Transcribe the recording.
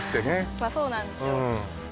まあそうなんですよ